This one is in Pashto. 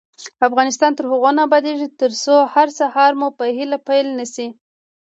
افغانستان تر هغو نه ابادیږي، ترڅو هر سهار مو په هیله پیل نشي.